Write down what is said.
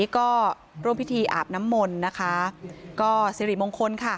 ก็ร่วมพิธีอาบน้ำมนต์นะคะก็สิริมงคลค่ะ